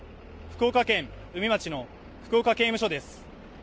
福岡県宇美町の福岡刑務所です。